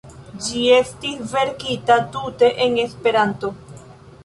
Ĝi estis verkita tute en Esperanto.